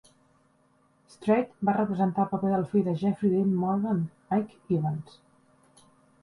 Strait va representar el paper del fill de Jeffrey Dean Morgan, Ike Evans.